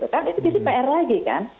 kan itu pr lagi kan